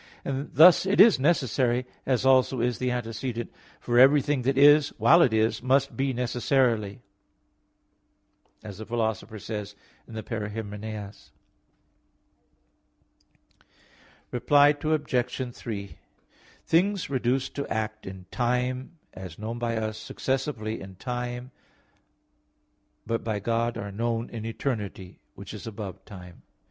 And thus it is necessary, as also is the antecedent: "For everything that is, while it is, must be necessarily be," as the Philosopher says in Peri Herm. i. Reply Obj. 3: Things reduced to act in time, as known by us successively in time, but by God (are known) in eternity, which is above time.